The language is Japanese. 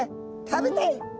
食べたい！